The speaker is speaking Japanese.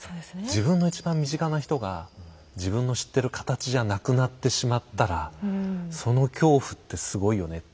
自分の一番身近な人が自分の知ってる形じゃなくなってしまったらその恐怖ってすごいよね。